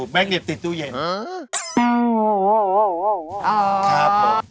อ๋อแมกเนตถ่ายก่อน